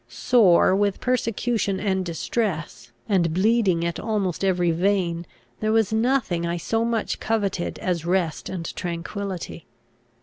Sore with persecution and distress, and bleeding at almost every vein, there was nothing I so much coveted as rest and tranquillity.